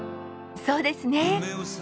そうですね。